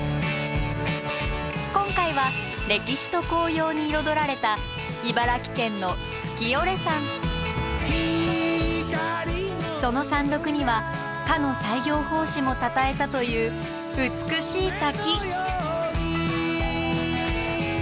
今回は歴史と紅葉に彩られた茨城県のその山麓にはかの西行法師もたたえたという美しい滝。